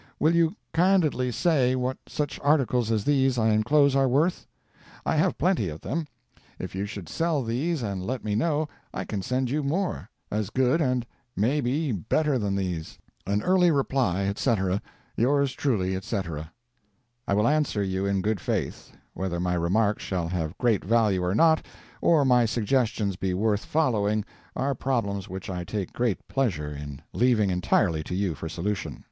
Will you candidly say what such articles as these I enclose are worth? I have plenty of them. If you should sell these and let me know, I can send you more, as good and maybe better than these. An early reply, etc. Yours truly, etc. I will answer you in good faith. Whether my remarks shall have great value or not, or my suggestions be worth following, are problems which I take great pleasure in leaving entirely to you for solution.